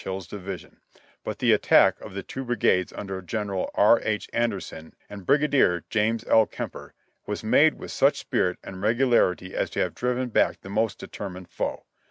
Hill's division, but the attack of the two brigades under Gen eral R. H. Anderson and Brigadier James L. Kemper was made with such spirit and regularity as to have driven back the most determined foe.